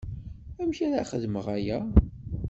Amek ara xedmeɣ aya?